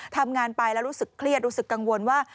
ทำงานไปแล้วรู้สึกเครียดรู้สึกกังวลว่า